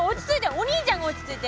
お兄ちゃんが落ち着いて！